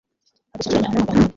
bagasukiranya n'amagambo mabi